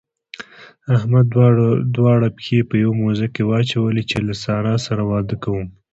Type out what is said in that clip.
احمد دواړه پښې په يوه موزه کې واچولې چې له سارا سره واده کوم.